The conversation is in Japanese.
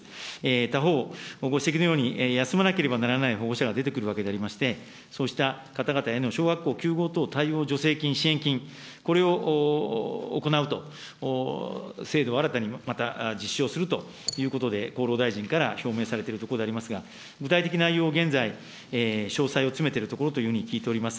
他方、ご指摘のように、休まなければならない保護者が出てくるわけでありまして、そうした方々への小学校休校等対応助成金、支援金、これを行うと、制度を新たにまた実施をするということで、厚労大臣から表明されているところでありますが、具体的内容を現在、詳細を詰めてるところというふうに聞いております。